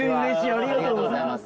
ありがとうございます。